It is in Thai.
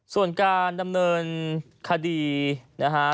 ส่วนการดำเนินคดีนะฮะ